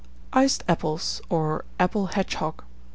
ICED APPLES, or APPLE HEDGEHOG.